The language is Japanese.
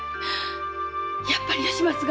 やっぱり吉松が！